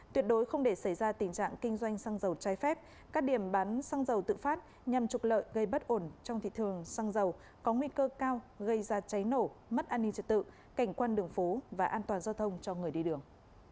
tuyệt đối không để xảy ra tình trạng kinh doanh xăng dầu trái phép các điểm bán xăng dầu tự phát nhằm trục lợi gây bất ổn trong thị trường xăng dầu có nguy cơ cao gây ra cháy nổ mất an ninh trật tự cảnh quan đường phố và an toàn giao thông cho người đi đường